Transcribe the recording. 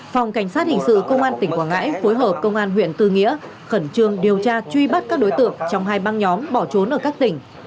phòng cảnh sát hình sự công an tỉnh quảng ngãi phối hợp công an huyện tư nghĩa khẩn trương điều tra truy bắt các đối tượng trong hai băng nhóm bỏ trốn ở các tỉnh